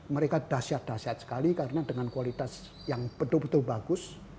mereka dahsyat dahsyat sekali karena dengan kualitas yang betul betul bagus